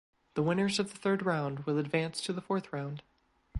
The winners of the third round will advance to the fourth round.